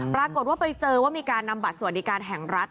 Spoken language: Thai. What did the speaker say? ปรากฏว่าไปเจอว่ามีการนำบัตรสวัสดิการแห่งรัฐ